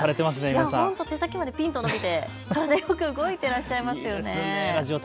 手先までぴんと伸びてよく動いていらっしゃいますね。